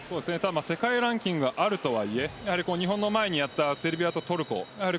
世界ランキングがあるとはいえ日本の前にやったセルビアとトルコ。